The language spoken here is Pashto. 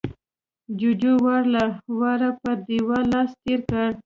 جُوجُو وار له واره پر دېوال لاس تېر کړ